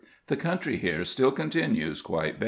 The country here still continues quite barren.